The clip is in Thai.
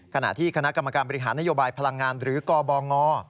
ขณะที่คณะกรรมการบริหารนโยบายพลังงานหรือกบง